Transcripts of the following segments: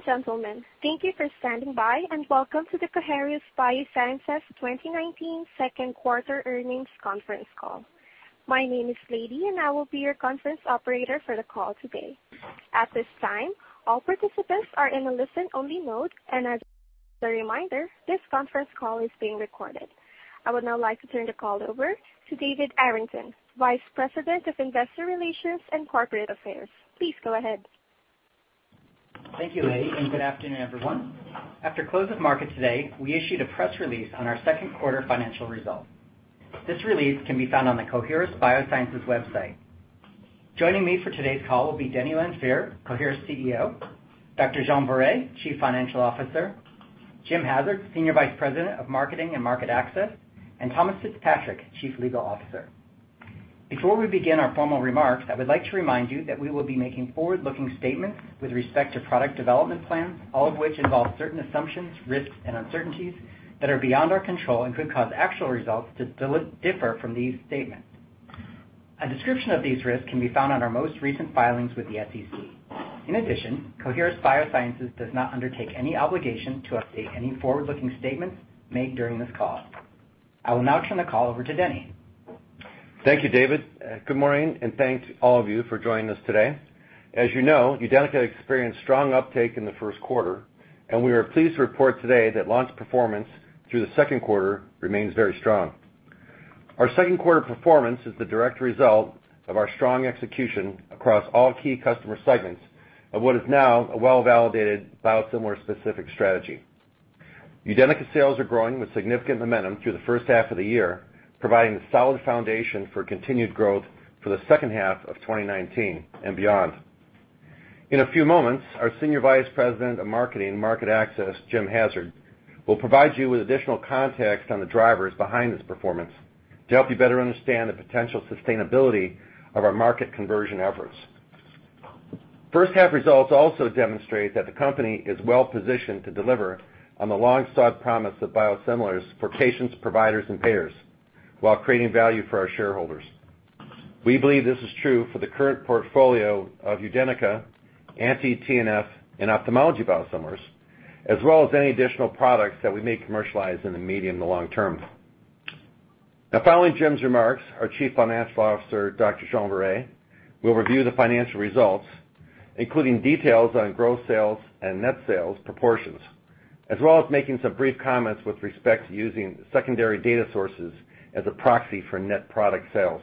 Ladies and gentlemen, thank you for standing by. Welcome to the Coherus BioSciences 2019 second quarter earnings conference call. My name is Lady. I will be your conference operator for the call today. At this time, all participants are in a listen-only mode. As a reminder, this conference call is being recorded. I would now like to turn the call over to David Arrington, Vice President of Investor Relations and Corporate Affairs. Please go ahead. Thank you, Lady, and good afternoon, everyone. After close of market today, we issued a press release on our second quarter financial results. This release can be found on the Coherus BioSciences website. Joining me for today's call will be Dennis Lanfear, Coherus CEO, Dr. Jean Viret, Chief Financial Officer, Jim Hassard, Senior Vice President of Marketing and Market Access, and Thomas Fitzpatrick, Chief Legal Officer. Before we begin our formal remarks, I would like to remind you that we will be making forward-looking statements with respect to product development plans, all of which involve certain assumptions, risks, and uncertainties that are beyond our control and could cause actual results to differ from these statements. A description of these risks can be found on our most recent filings with the SEC. Coherus BioSciences does not undertake any obligation to update any forward-looking statements made during this call. I will now turn the call over to Denny. Thank you, David. Good morning, and thanks to all of you for joining us today. As you know, UDENYCA experienced strong uptake in the first quarter, and we are pleased to report today that launch performance through the second quarter remains very strong. Our second quarter performance is the direct result of our strong execution across all key customer segments of what is now a well-validated biosimilar-specific strategy. UDENYCA sales are growing with significant momentum through the first half of the year, providing a solid foundation for continued growth for the second half of 2019 and beyond. In a few moments, our senior vice president of marketing and market access, Jim Hassard, will provide you with additional context on the drivers behind this performance to help you better understand the potential sustainability of our market conversion efforts. First half results also demonstrate that the company is well-positioned to deliver on the long-sought promise of biosimilars for patients, providers, and payers while creating value for our shareholders. We believe this is true for the current portfolio of UDENYCA, anti-TNF, and ophthalmology biosimilars, as well as any additional products that we may commercialize in the medium to long term. Following Jim's remarks, our chief financial officer, Dr. Jean-Frédéric Viret, will review the financial results, including details on growth, sales, and net sales proportions, as well as making some brief comments with respect to using secondary data sources as a proxy for net product sales.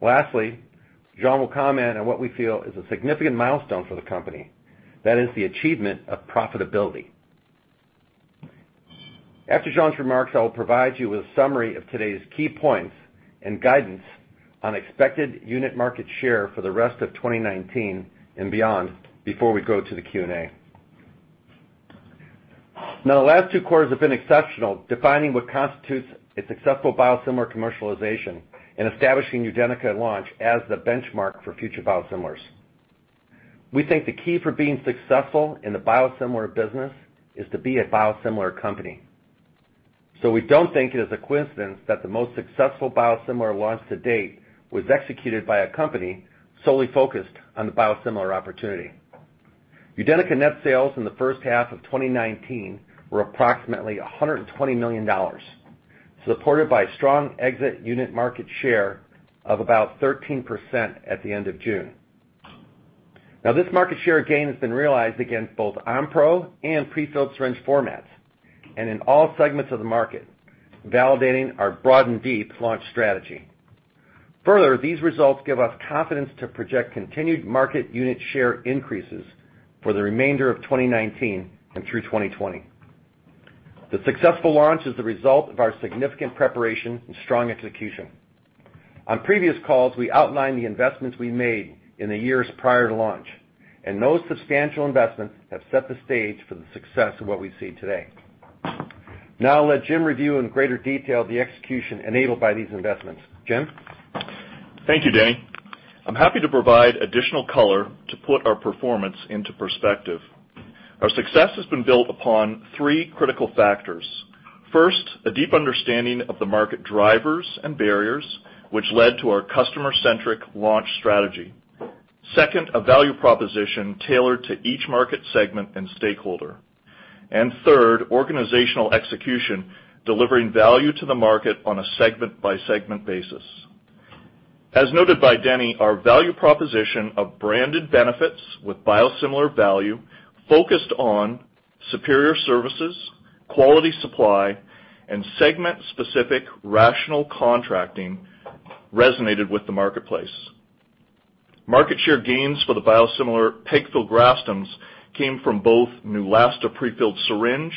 Lastly, Jean will comment on what we feel is a significant milestone for the company. That is the achievement of profitability. After Jean's remarks, I will provide you with a summary of today's key points and guidance on expected unit market share for the rest of 2019 and beyond before we go to the Q&A. The last two quarters have been exceptional, defining what constitutes a successful biosimilar commercialization and establishing UDENYCA at launch as the benchmark for future biosimilars. We think the key for being successful in the biosimilar business is to be a biosimilar company. We don't think it is a coincidence that the most successful biosimilar launch to date was executed by a company solely focused on the biosimilar opportunity. UDENYCA net sales in the first half of 2019 were approximately $120 million, supported by a strong exit unit market share of about 13% at the end of June. This market share gain has been realized against both Onpro and prefilled syringe formats and in all segments of the market, validating our broad and deep launch strategy. Further, these results give us confidence to project continued market unit share increases for the remainder of 2019 and through 2020. The successful launch is the result of our significant preparation and strong execution. On previous calls, we outlined the investments we made in the years prior to launch, and those substantial investments have set the stage for the success of what we see today. I'll let Jim review in greater detail the execution enabled by these investments. Jim? Thank you, Denny. I'm happy to provide additional color to put our performance into perspective. Our success has been built upon three critical factors. First, a deep understanding of the market drivers and barriers, which led to our customer-centric launch strategy. Second, a value proposition tailored to each market segment and stakeholder. Third, organizational execution, delivering value to the market on a segment-by-segment basis. As noted by Denny, our value proposition of branded benefits with biosimilar value focused on superior services, quality supply, and segment-specific rational contracting resonated with the marketplace. Market share gains for the biosimilar pegfilgrastims came from both Neulasta prefilled syringe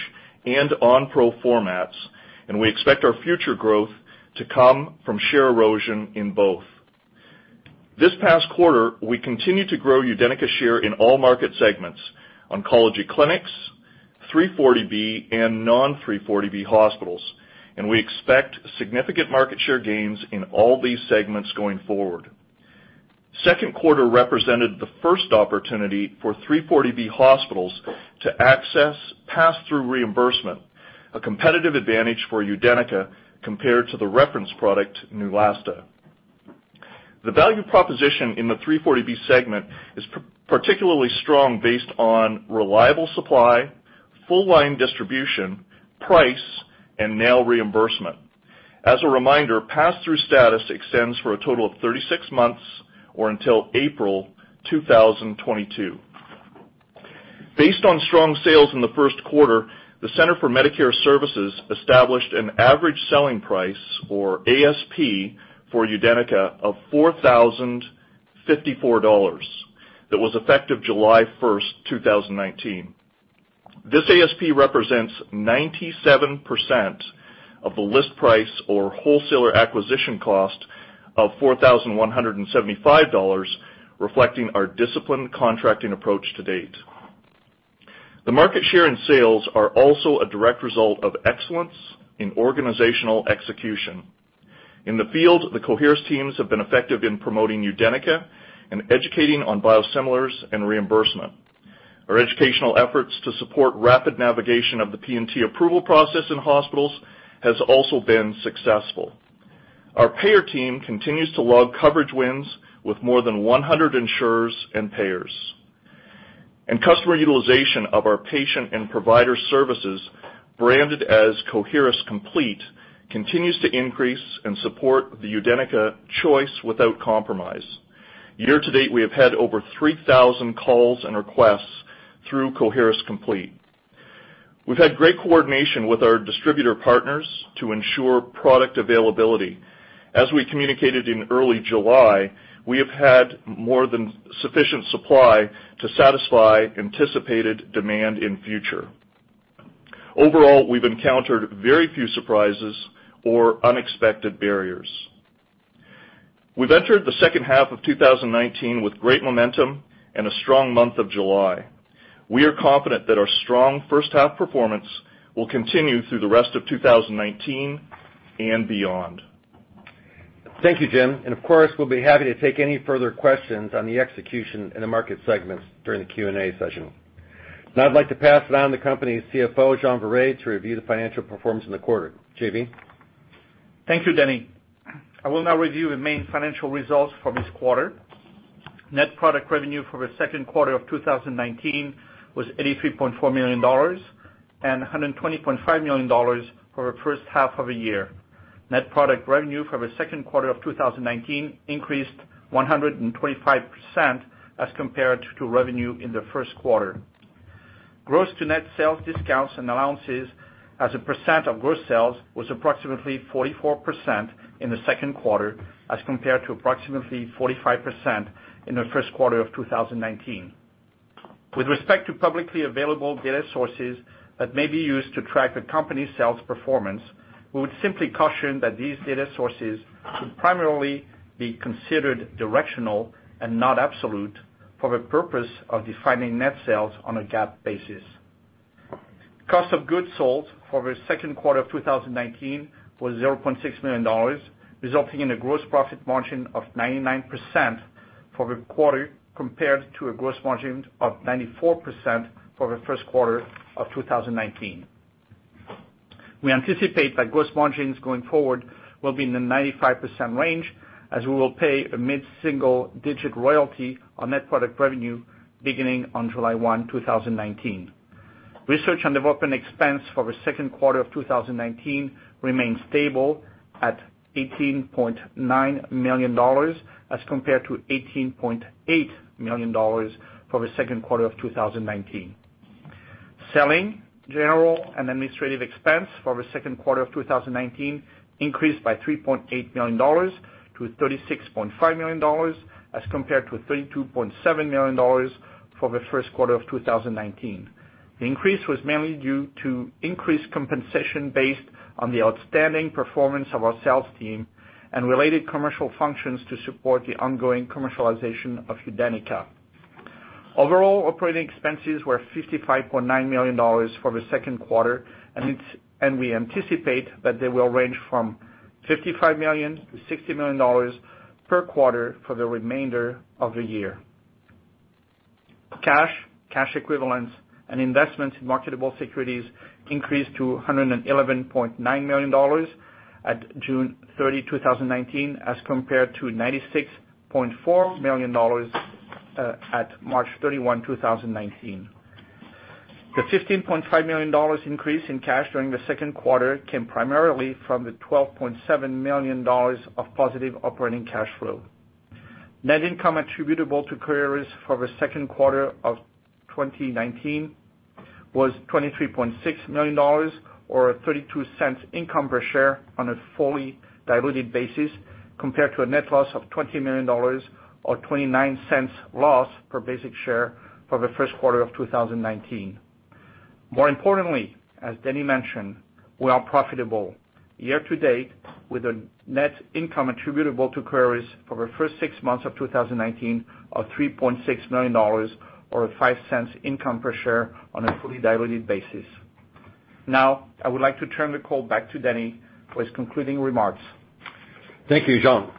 and Onpro formats. We expect our future growth to come from share erosion in both. This past quarter, we continued to grow UDENYCA share in all market segments, oncology clinics, 340B, and non-340B hospitals, and we expect significant market share gains in all these segments going forward. Second quarter represented the first opportunity for 340B hospitals to access pass-through reimbursement, a competitive advantage for UDENYCA compared to the reference product, Neulasta. The value proposition in the 340B segment is particularly strong based on reliable supply, full line distribution, price, and now reimbursement. As a reminder, pass-through status extends for a total of 36 months or until April 2022. Based on strong sales in the first quarter, the Center for Medicare Services established an average selling price, or ASP, for UDENYCA of $4,054 that was effective July 1st, 2019. This ASP represents 97% of the list price or wholesale acquisition cost of $4,175, reflecting our disciplined contracting approach to date. The market share and sales are also a direct result of excellence in organizational execution. In the field, the Coherus teams have been effective in promoting UDENYCA and educating on biosimilars and reimbursement. Our educational efforts to support rapid navigation of the P&T approval process in hospitals has also been successful. Our payer team continues to log coverage wins with more than 100 insurers and payers. Customer utilization of our patient and provider services, branded as Coherus COMPLETE, continues to increase and support the UDENYCA choice without compromise. Year to date, we have had over 3,000 calls and requests through Coherus COMPLETE. We've had great coordination with our distributor partners to ensure product availability. As we communicated in early July, we have had more than sufficient supply to satisfy anticipated demand in future. Overall, we've encountered very few surprises or unexpected barriers. We've entered the second half of 2019 with great momentum and a strong month of July. We are confident that our strong first half performance will continue through the rest of 2019 and beyond. Thank you, Jim. Of course, we'll be happy to take any further questions on the execution in the market segments during the Q&A session. Now I'd like to pass it on to the company's CFO, Jean Viret, to review the financial performance in the quarter. JV? Thank you, Denny. I will now review the main financial results for this quarter. Net product revenue for the second quarter of 2019 was $83.4 million and $120.5 million for the first half of the year. Net product revenue for the second quarter of 2019 increased 125% as compared to revenue in the first quarter. Gross to net sales discounts and allowances as a percent of gross sales was approximately 44% in the second quarter, as compared to approximately 45% in the first quarter of 2019. With respect to publicly available data sources that may be used to track the company's sales performance, we would simply caution that these data sources should primarily be considered directional and not absolute for the purpose of defining net sales on a GAAP basis. Cost of goods sold for the second quarter of 2019 was $0.6 million, resulting in a gross profit margin of 99% for the quarter, compared to a gross margin of 94% for the first quarter of 2019. We anticipate that gross margins going forward will be in the 95% range as we will pay a mid-single digit royalty on net product revenue beginning on July 1, 2019. Research and development expense for the second quarter of 2019 remained stable at $18.9 million, as compared to $18.8 million for the second quarter of 2019. Selling, general and administrative expense for the second quarter of 2019 increased by $3.8 million to $36.5 million, as compared to $32.7 million for the first quarter of 2019. The increase was mainly due to increased compensation based on the outstanding performance of our sales team and related commercial functions to support the ongoing commercialization of UDENYCA. Overall operating expenses were $55.9 million for the second quarter, we anticipate that they will range from $55 million-$60 million per quarter for the remainder of the year. Cash, cash equivalents, and investments in marketable securities increased to $111.9 million at June 30, 2019, as compared to $96.4 million at March 31, 2019. The $15.5 million increase in cash during the second quarter came primarily from the $12.7 million of positive operating cash flow. Net income attributable to Coherus for the second quarter of 2019 was $23.6 million or a $0.32 income per share on a fully diluted basis, compared to a net loss of $20 million or $0.29 loss per basic share for the first quarter of 2019. More importantly, as Denny mentioned, we are profitable year to date with a net income attributable to Coherus for the first six months of 2019 of $3.6 million or $0.05 income per share on a fully diluted basis. Now, I would like to turn the call back to Denny for his concluding remarks. Thank you, Jean.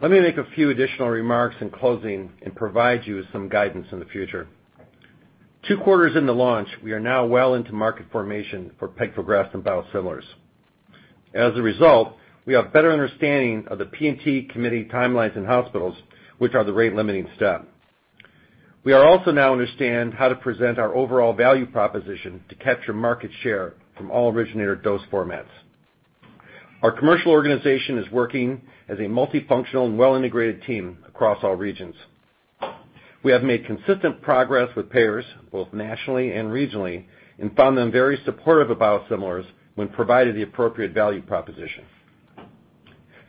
Let me make a few additional remarks in closing and provide you with some guidance in the future. Two quarters in the launch, we are now well into market formation for pegfilgrastim biosimilars. As a result, we have better understanding of the P&T committee timelines in hospitals, which are the rate-limiting step. We are also now understand how to present our overall value proposition to capture market share from all originator dose formats. Our commercial organization is working as a multifunctional and well-integrated team across all regions. We have made consistent progress with payers, both nationally and regionally, and found them very supportive of biosimilars when provided the appropriate value proposition.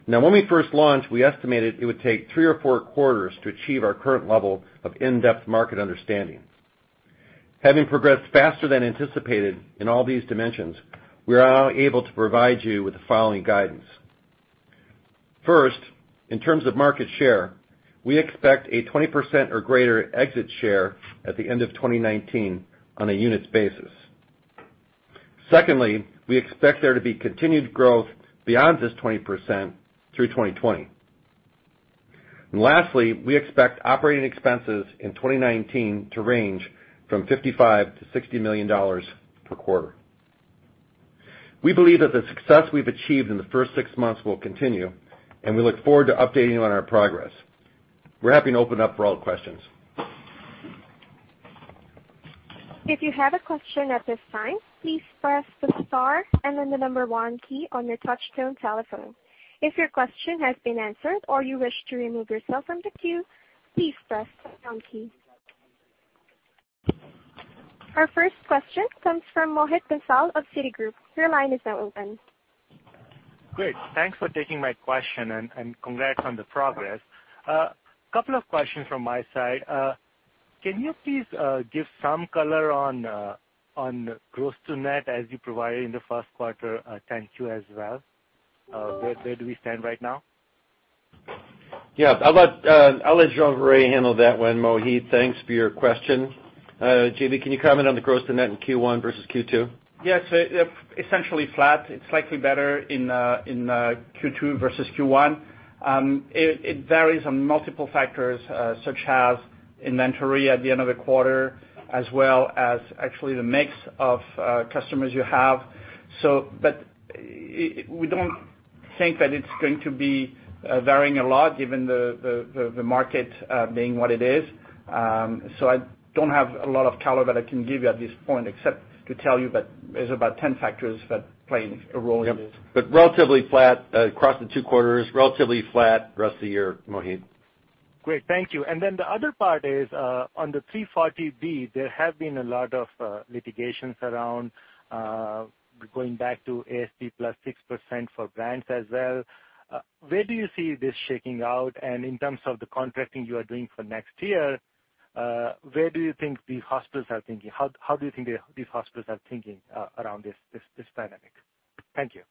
Now, when we first launched, we estimated it would take three or four quarters to achieve our current level of in-depth market understanding. Having progressed faster than anticipated in all these dimensions, we are now able to provide you with the following guidance. First, in terms of market share, we expect a 20% or greater exit share at the end of 2019 on a units basis. Secondly, we expect there to be continued growth beyond this 20% through 2020. Lastly, we expect operating expenses in 2019 to range from $55 million to $60 million per quarter. We believe that the success we've achieved in the first six months will continue, and we look forward to updating you on our progress. We're happy to open up for all questions. If you have a question at this time, please press the star and then the number 1 key on your touchtone telephone. If your question has been answered or you wish to remove yourself from the queue, please press the pound key. Our first question comes from Mohit Goswami of Citigroup. Your line is now open. Great. Thanks for taking my question, and congrats on the progress. A couple of questions from my side. Can you please give some color on gross to net as you provided in the first quarter? Thank you as well. Where do we stand right now? Yeah. I'll let Jean Viret handle that one, Mohit. Thanks for your question. JB, can you comment on the gross to net in Q1 versus Q2? Yes. Essentially flat. It's likely better in Q2 versus Q1. It varies on multiple factors such as inventory at the end of the quarter as well as actually the mix of customers you have. We don't think that it's going to be varying a lot given the market being what it is. I don't have a lot of color that I can give you at this point except to tell you that there's about 10 factors that play a role in this. Yep. Relatively flat across the two quarters, relatively flat rest of the year, Mohit. Great. Thank you. Then the other part is, on the 340B, there have been a lot of litigations around going back to ASP plus 6% for grants as well. Where do you see this shaking out? In terms of the contracting you are doing for next year, where do you think these hospitals are thinking? How do you think these hospitals are thinking around this dynamic? Thank you.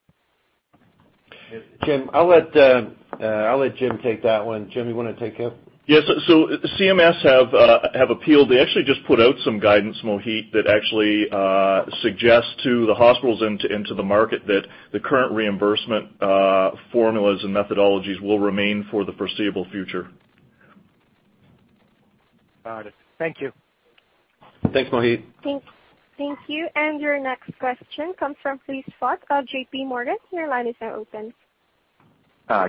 Jim. I'll let Jim take that one. Jim, you want to take it? Yes. CMS have appealed. They actually just put out some guidance, Mohit, that actually suggests to the hospitals and to the market that the current reimbursement formulas and methodologies will remain for the foreseeable future. Got it. Thank you. Thanks, Mohit. Thank you. Your next question comes from Chris Schott of J.P. Morgan. Your line is now open.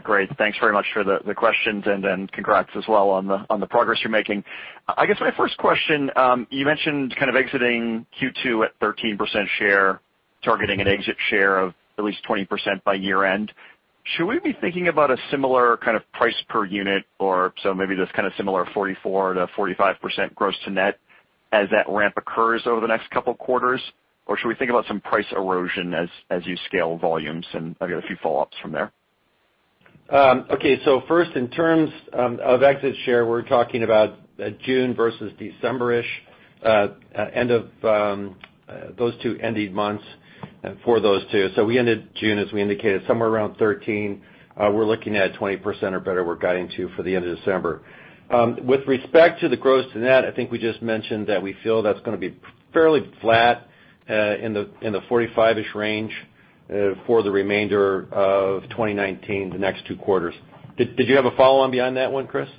Great. Thanks very much for the questions and congrats as well on the progress you're making. I guess my first question, you mentioned kind of exiting Q2 at 13% share, targeting an exit share of at least 20% by year-end. Should we be thinking about a similar kind of price per unit or so maybe this kind of similar 44%-45% gross to net as that ramp occurs over the next couple quarters? Should we think about some price erosion as you scale volumes? I got a few follow-ups from there. Okay. First, in terms of exit share, we're talking about a June versus December-ish, end of those two ended months for those two. We ended June, as we indicated, somewhere around 13. We're looking at 20% or better we're guiding to for the end of December. With respect to the gross to net, I think we just mentioned that we feel that's going to be fairly flat, in the 45-ish range for the remainder of 2019, the next two quarters. Did you have a follow-on beyond that one, Chris?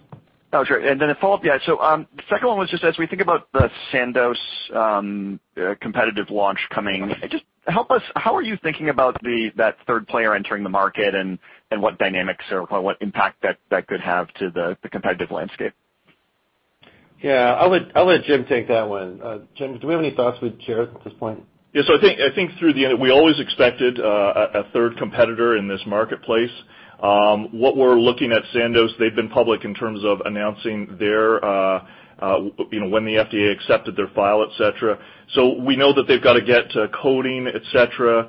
Oh, sure. A follow-up, yeah. The second one was just as we think about the Sandoz competitive launch coming, just help us, how are you thinking about that third player entering the market and what dynamics or what impact that could have to the competitive landscape? Yeah. I'll let Jim take that one. Jim, do we have any thoughts we'd share at this point? Yes. We always expected a third competitor in this marketplace. What we're looking at Sandoz, they've been public in terms of announcing when the FDA accepted their file, et cetera. We know that they've got to get to coding, et cetera,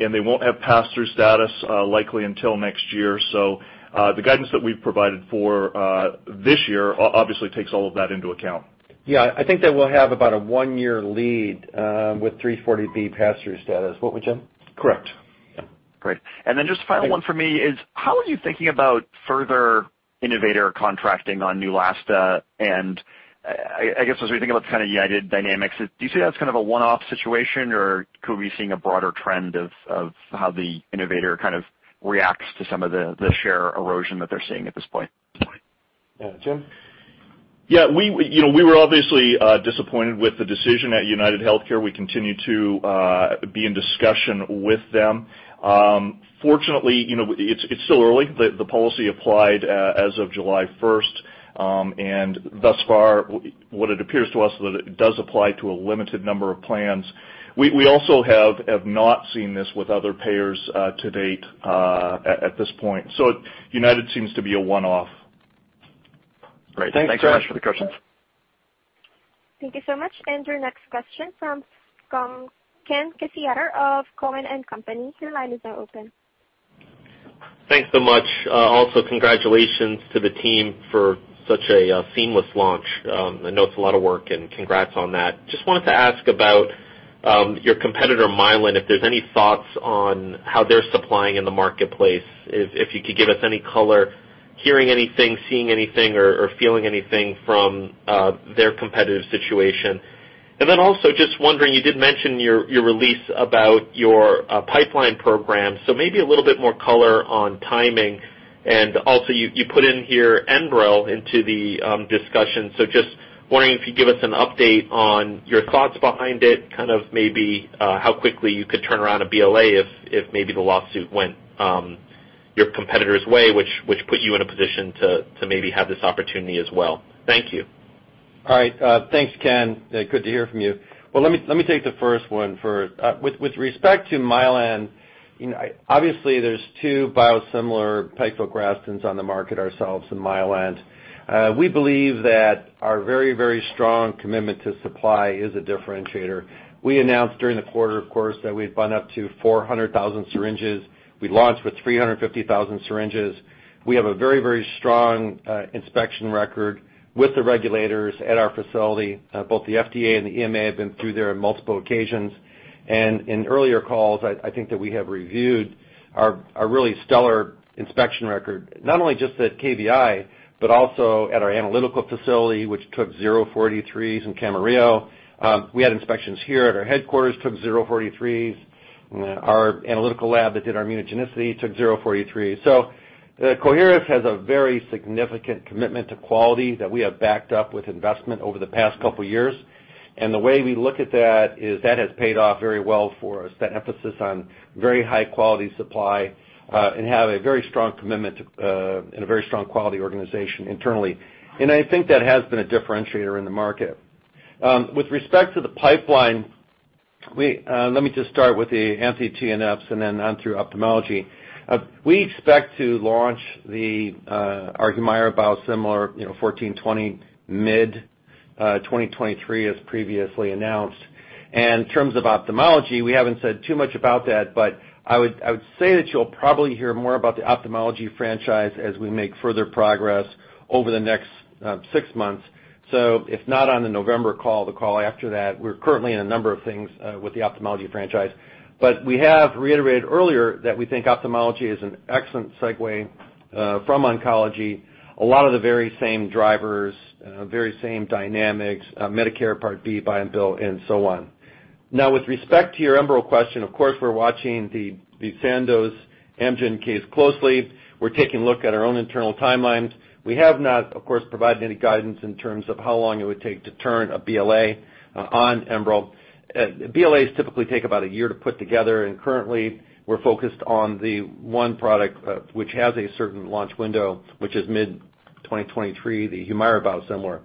and they won't have pass-through status likely until next year. The guidance that we've provided for this year obviously takes all of that into account. Yeah. I think they will have about a one-year lead with 340B pass-through status. What would, Jim? Correct. Great. Just final one for me is how are you thinking about further innovator contracting on Neulasta and I guess as we think about the kind of United dynamics, do you see that as kind of a one-off situation or could we be seeing a broader trend of how the innovator kind of reacts to some of the share erosion that they're seeing at this point? Yeah. Jim? Yeah, we were obviously disappointed with the decision at UnitedHealthcare. We continue to be in discussion with them. Fortunately, it's still early. The policy applied as of July 1st. Thus far, what it appears to us that it does apply to a limited number of plans. We also have not seen this with other payers to date at this point. United seems to be a one-off. Great. Thanks so much for the questions. Thank you so much. Your next question from Ken Cacciatore of Cowen and Company. Your line is now open. Thanks so much. Also, congratulations to the team for such a seamless launch. I know it's a lot of work, and congrats on that. Just wanted to ask about your competitor, Mylan, if there's any thoughts on how they're supplying in the marketplace. If you could give us any color, hearing anything, seeing anything, or feeling anything from their competitive situation. Also just wondering, you did mention your release about your pipeline program, so maybe a little more color on timing. Also you put in here Enbrel into the discussion. Just wondering if you give us an update on your thoughts behind it, maybe how quickly you could turn around a BLA if maybe the lawsuit went your competitor's way, which put you in a position to maybe have this opportunity as well. Thank you. All right. Thanks, Ken. Good to hear from you. Well, let me take the first one first. With respect to Mylan, obviously there's two biosimilar pegfilgrastims on the market, ourselves and Mylan. We believe that our very, very strong commitment to supply is a differentiator. We announced during the quarter, of course, that we've gone up to 400,000 syringes. We launched with 350,000 syringes. We have a very, very strong inspection record with the regulators at our facility. Both the FDA and the EMA have been through there on multiple occasions. In earlier calls, I think that we have reviewed our really stellar inspection record, not only just at KBI, but also at our analytical facility, which took zero 483s in Camarillo. We had inspections here at our headquarters, took zero 483s. Our analytical lab that did our immunogenicity took zero 483s. Coherus has a very significant commitment to quality that we have backed up with investment over the past couple of years. The way we look at that is that has paid off very well for us, that emphasis on very high-quality supply, and have a very strong commitment and a very strong quality organization internally. I think that has been a differentiator in the market. With respect to the pipeline, let me just start with the anti-TNFs and then on through ophthalmology. We expect to launch our HUMIRA biosimilar CHS-1420 mid-2023, as previously announced. In terms of ophthalmology, we haven't said too much about that, but I would say that you'll probably hear more about the ophthalmology franchise as we make further progress over the next 6 months. If not on the November call, the call after that. We're currently in a number of things with the ophthalmology franchise, but we have reiterated earlier that we think ophthalmology is an excellent segue from oncology. A lot of the very same drivers, very same dynamics, Medicare Part B buy and bill, and so on. With respect to your Enbrel question, of course, we're watching the Sandoz Amgen case closely. We're taking a look at our own internal timelines. We have not, of course, provided any guidance in terms of how long it would take to turn a BLA on Enbrel. BLAs typically take about a year to put together, and currently we're focused on the one product which has a certain launch window, which is mid-2023, the HUMIRA biosimilar.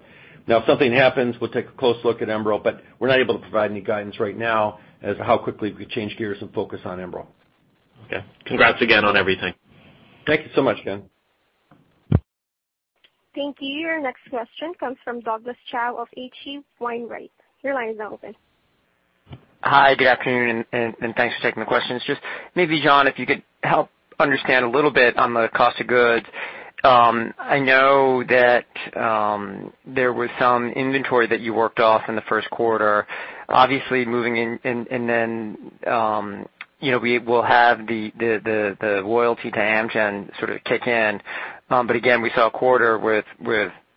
Now, if something happens, we'll take a close look at Enbrel, but we're not able to provide any guidance right now as to how quickly we change gears and focus on Enbrel. Okay. Congrats again on everything. Thank you so much, Ken. Thank you. Your next question comes from Douglas Tsao of H.C. Wainwright. Your line is now open. Hi, good afternoon, and thanks for taking the questions. Just maybe, Jean, if you could help understand a little bit on the cost of goods. I know that there was some inventory that you worked off in the first quarter, obviously moving in, and then we will have the royalty to Amgen sort of kick in. Again, we saw a quarter with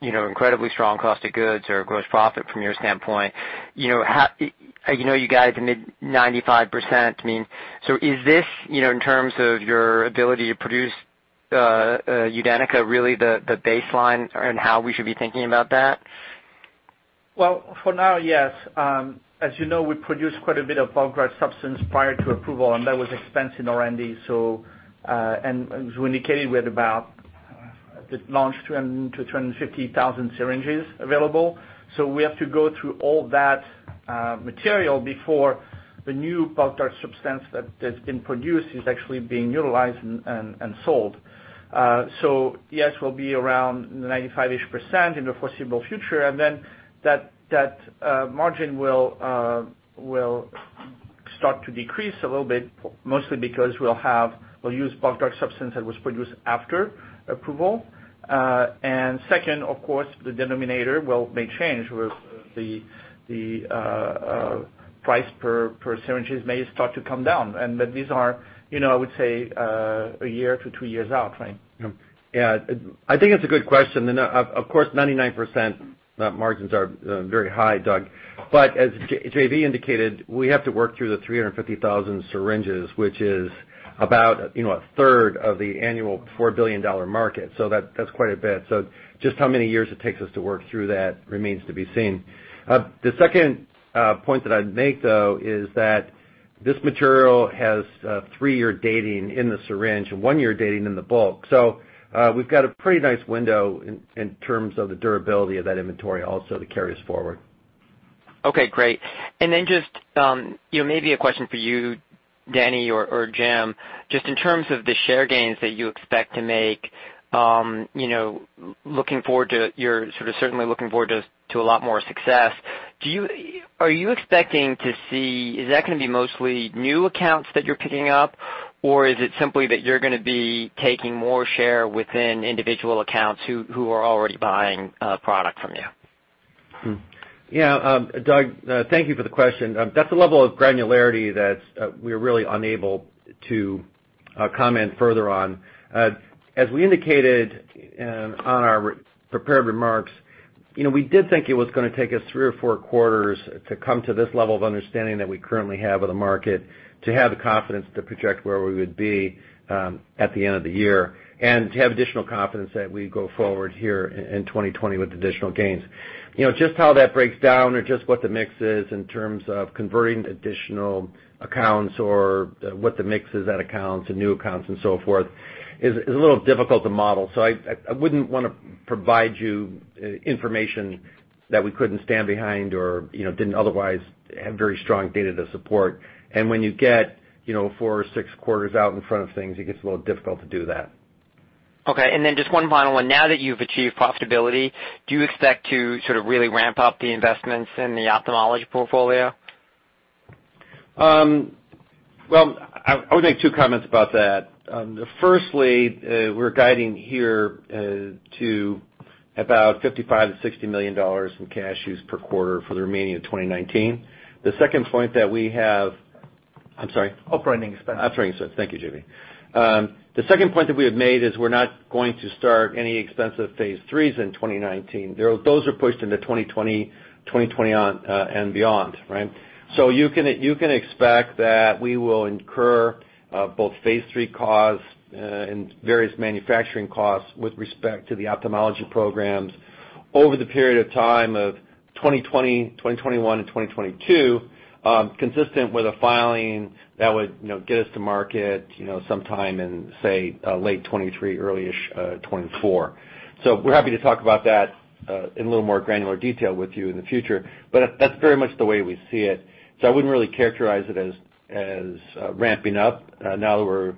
incredibly strong cost of goods or gross profit from your standpoint. I know you guide the mid 95%. Is this, in terms of your ability to produce UDENYCA, really the baseline and how we should be thinking about that? Well, for now, yes. As you know, we produced quite a bit of bulk drug substance prior to approval, and that was expensed in R&D. As we indicated, we had about at launch 200,000 to 250,000 syringes available. We have to go through all that material before the new bulk drug substance that's been produced is actually being utilized and sold. Yes, we'll be around 95%-ish in the foreseeable future, and then that margin will start to decrease a little bit, mostly because we'll use bulk drug substance that was produced after approval. Second, of course, the denominator may change with the price per syringes may start to come down. These are, I would say, a year to two years out frame. Yeah, I think it's a good question. Of course, 99% margins are very high, Doug. As JV indicated, we have to work through the 350,000 syringes, which is about a third of the annual $4 billion market, that's quite a bit. Just how many years it takes us to work through that remains to be seen. The second point that I'd make, though, is that This material has a three-year dating in the syringe and one year dating in the bulk. We've got a pretty nice window in terms of the durability of that inventory also to carry us forward. Okay, great. Just maybe a question for you, Denny or Jim, just in terms of the share gains that you expect to make, you're sort of certainly looking forward to a lot more success. Is that going to be mostly new accounts that you're picking up? Or is it simply that you're going to be taking more share within individual accounts who are already buying a product from you? Yeah. Doug, thank you for the question. That's a level of granularity that we're really unable to comment further on. As we indicated on our prepared remarks, we did think it was going to take us three or four quarters to come to this level of understanding that we currently have of the market, to have the confidence to project where we would be at the end of the year. To have additional confidence that we go forward here in 2020 with additional gains. Just how that breaks down or just what the mix is in terms of converting additional accounts or what the mix is at accounts and new accounts and so forth is a little difficult to model. I wouldn't want to provide you information that we couldn't stand behind or didn't otherwise have very strong data to support. When you get four or six quarters out in front of things, it gets a little difficult to do that. Okay. Just one final one. Now that you've achieved profitability, do you expect to sort of really ramp up the investments in the ophthalmology portfolio? Well, I would make two comments about that. Firstly, we're guiding here to about $55 million-$60 million in cash use per quarter for the remaining of 2019. The second point that we have. I'm sorry? Operating expense. Operating expense. Thank you, J.B. The second point that we have made is we're not going to start any expensive phase IIIs in 2019. Those are pushed into 2020 and beyond. Right? You can expect that we will incur both phase III costs and various manufacturing costs with respect to the ophthalmology programs over the period of time of 2020, 2021, and 2022, consistent with a filing that would get us to market sometime in, say, late '23, early-ish '24. We're happy to talk about that in a little more granular detail with you in the future. That's very much the way we see it. I wouldn't really characterize it as ramping up now that we're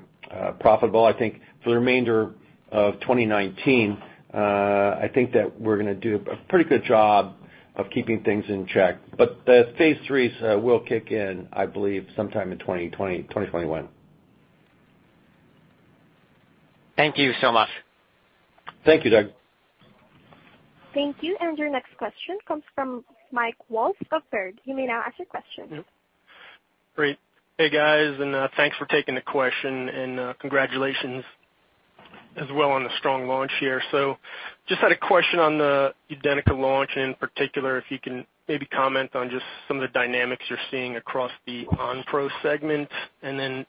profitable. I think for the remainder of 2019, I think that we're going to do a pretty good job of keeping things in check. The phase III will kick in, I believe, sometime in 2021. Thank you so much. Thank you, Doug. Thank you. Your next question comes from Mike Walsh of Baird. You may now ask your question. Great. Hey, guys, and thanks for taking the question and congratulations as well on the strong launch here. Just had a question on the UDENYCA launch, and in particular, if you can maybe comment on just some of the dynamics you're seeing across the Onpro segment, and then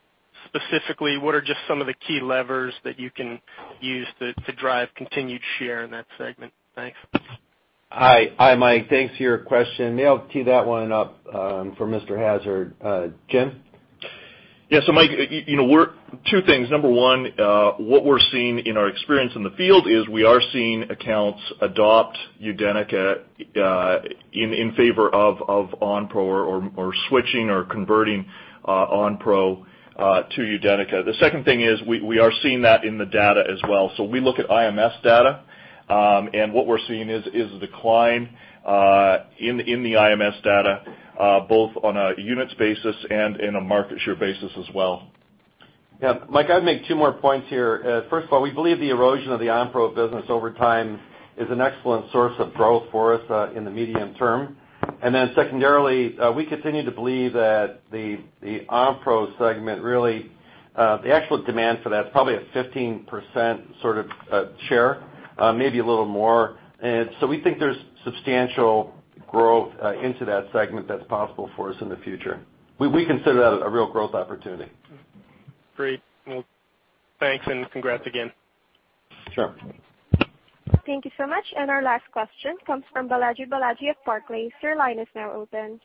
specifically, what are just some of the key levers that you can use to drive continued share in that segment? Thanks. Hi, Mike. Thanks for your question. Maybe I'll tee that one up for Mr. Hassard. Jim? Yeah. Mike, two things. Number one, what we're seeing in our experience in the field is we are seeing accounts adopt UDENYCA in favor of Onpro or switching or converting Onpro to UDENYCA. The second thing is we are seeing that in the data as well. We look at IMS data, and what we're seeing is the decline in the IMS data, both on a units basis and in a market share basis as well. Mike, I'd make two more points here. First of all, we believe the erosion of the Onpro business over time is an excellent source of growth for us in the medium term. Secondarily, we continue to believe that the Onpro segment, really, the actual demand for that is probably a 15% sort of share, maybe a little more. We think there's substantial growth into that segment that's possible for us in the future. We consider that a real growth opportunity. Great. Well, thanks, and congrats again. Sure. Thank you so much. Our last question comes from Balaji Prasad of Barclays. Your line is now open.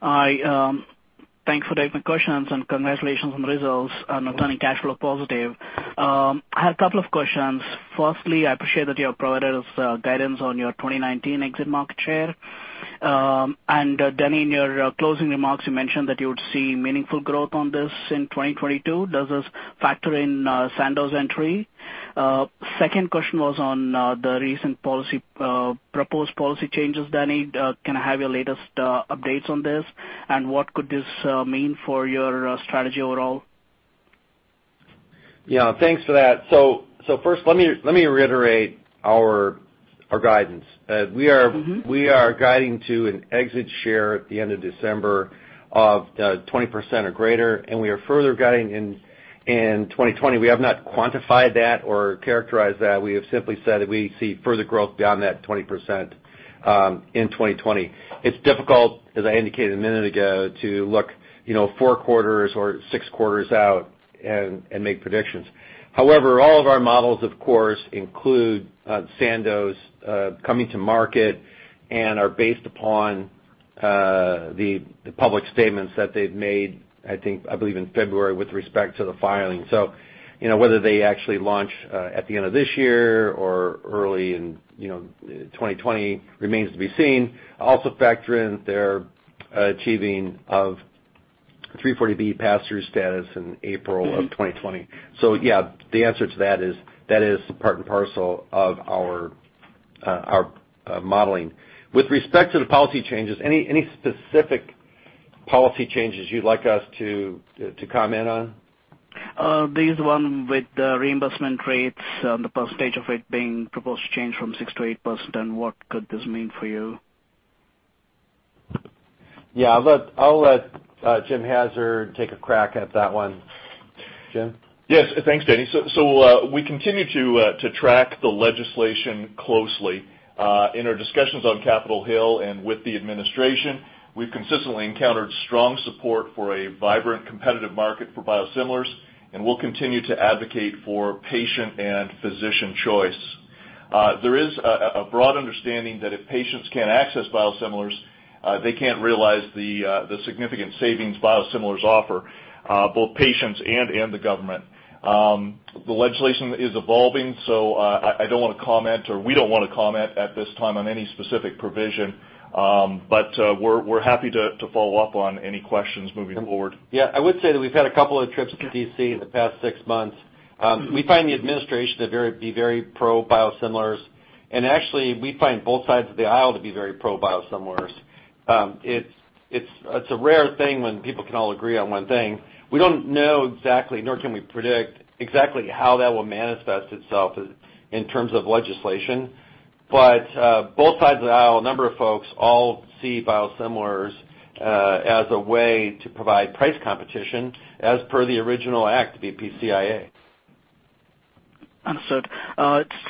Hi. Thanks for taking the questions and congratulations on the results on turning cash flow positive. I had a couple of questions. Firstly, I appreciate that you have provided us guidance on your 2019 exit market share. Denny, in your closing remarks, you mentioned that you would see meaningful growth on this in 2022. Does this factor in Sandoz entry? Second question was on the recent proposed policy changes, Denny. Can I have your latest updates on this, and what could this mean for your strategy overall? Yeah, thanks for that. First, let me reiterate our guidance. We are guiding to an exit share at the end of December of 20% or greater, and we are further guiding in 2020. We have not quantified that or characterized that. We have simply said that we see further growth beyond that 20% in 2020. It's difficult, as I indicated a minute ago, to look 4 quarters or 6 quarters out and make predictions. All of our models, of course, include Sandoz coming to market and are based upon the public statements that they've made, I think, I believe in February, with respect to the filing. Whether they actually launch at the end of this year or early in 2020 remains to be seen. Also factor in their achieving of 340B pass-through status in April of 2020. Yeah, the answer to that is, that is part and parcel of our modeling. With respect to the policy changes, any specific policy changes you'd like us to comment on? These one with reimbursement rates, the percentage of it being proposed change from 6% to 8%. What could this mean for you? Yeah. I'll let Jim Hassard take a crack at that one. Jim? Yes. Thanks, Denny. We continue to track the legislation closely. In our discussions on Capitol Hill and with the administration, we've consistently encountered strong support for a vibrant, competitive market for biosimilars. We'll continue to advocate for patient and physician choice. There is a broad understanding that if patients can't access biosimilars, they can't realize the significant savings biosimilars offer, both patients and the government. The legislation is evolving. I don't want to comment, or we don't want to comment at this time on any specific provision. We're happy to follow up on any questions moving forward. I would say that we've had a couple of trips to D.C. in the past six months. We find the administration to be very pro-biosimilars, and actually we find both sides of the aisle to be very pro-biosimilars. It's a rare thing when people can all agree on one thing. We don't know exactly, nor can we predict exactly how that will manifest itself in terms of legislation. Both sides of the aisle, a number of folks all see biosimilars as a way to provide price competition as per the original act, the BPCIA. Understood.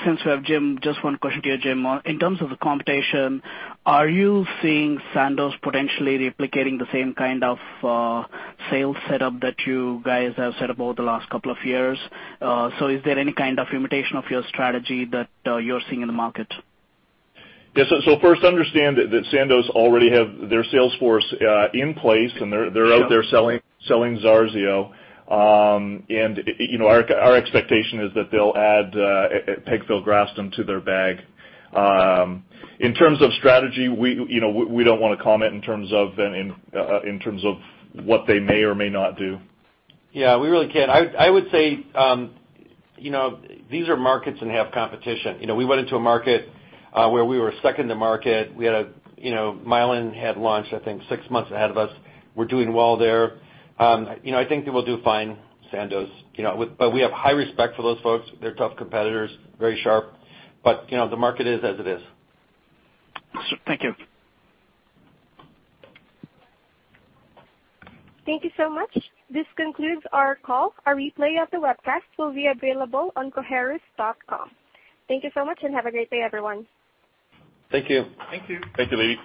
Since we have Jim, just one question to you, Jim. In terms of the competition, are you seeing Sandoz potentially replicating the same kind of sales setup that you guys have set up over the last couple of years? Is there any kind of imitation of your strategy that you're seeing in the market? Yeah. First understand that Sandoz already have their sales force in place, and they're out there selling ZARXIO. Our expectation is that they'll add pegfilgrastim to their bag. In terms of strategy, we don't want to comment in terms of what they may or may not do. Yeah, we really can't. I would say, these are markets that have competition. We went into a market where we were second to market. Mylan had launched, I think six months ahead of us. We're doing well there. I think they will do fine, Sandoz. We have high respect for those folks. They're tough competitors, very sharp. The market is as it is. Thank you. Thank you so much. This concludes our call. A replay of the webcast will be available on coherus.com. Thank you so much and have a great day, everyone. Thank you. Thank you. Thank you, ladies.